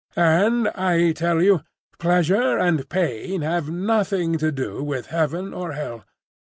And I tell you, pleasure and pain have nothing to do with heaven or hell.